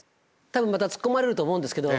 多分またつっこまれると思うんですけど。